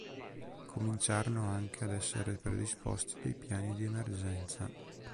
Cominciarono anche ad essere predisposti dei piani di emergenza.